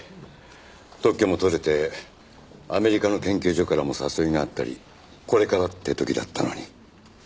特許も取れてアメリカの研究所からも誘いがあったりこれからって時だったのに。